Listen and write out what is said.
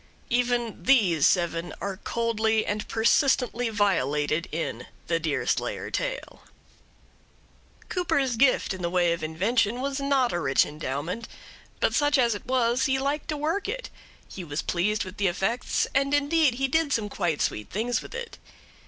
Even these seven are coldly and persistently violated in the Deerslayer tale. Cooper's gift in the way of invention was not a rich endowment; but such as it was he liked to work it, he was pleased with the effects, and indeed he did some quite sweet things with it.